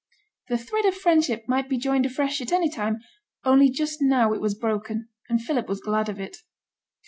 The thread of friendship might be joined afresh at any time, only just now it was broken; and Philip was glad of it.